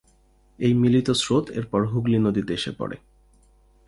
এই মিলিত স্রোত এরপর হুগলি নদীতে এসে পড়ে।